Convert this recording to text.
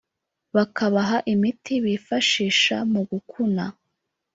bakabaha imiti bifashisha mu gukuna